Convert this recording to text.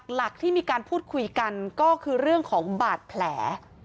หลักที่มีการพูดคุยกันก็คือเรื่องของบาดแผล